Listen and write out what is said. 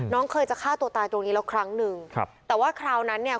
เคยจะฆ่าตัวตายตรงนี้แล้วครั้งหนึ่งครับแต่ว่าคราวนั้นเนี่ย